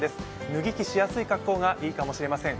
脱ぎ着しやすい格好がいいかもしれません。